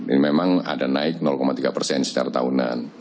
ini memang ada naik tiga persen secara tahunan